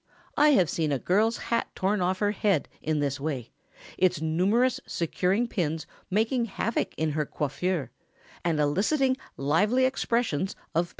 I have seen a girl's hat torn off her head in this way, its numerous securing pins making havoc in her coiffure and eliciting lively expressions of pain.